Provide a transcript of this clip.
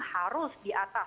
harus di atas